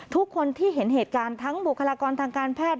ทุกคนที่เห็นเหตุการณ์ทั้งบุคลากรทางการแพทย์